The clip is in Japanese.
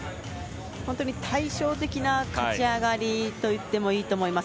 対照的な勝ち上がりといってもいいと思います。